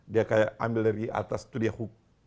dia kayak ambil dari atas itu dia hope